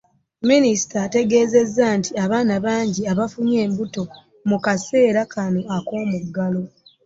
Minisita ategeezezza nti abaana bangi bafunye embuto mu kaseera kano ak’omuggalo